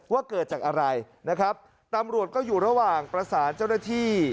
ว่าเกิดจากอะไรนะครับตำรวจก็อยู่ระหว่างประสานเจ้าหน้าที่